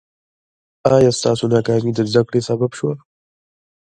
ایا ستاسو ناکامي د زده کړې سبب شوه؟